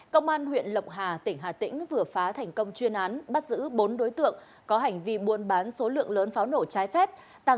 công an huyện lộc hà tỉnh hà tĩnh vừa phá thành công chuyên án bắt giữ bốn đối tượng có hành vi buôn bán số lượng lớn pháo nổ trái phép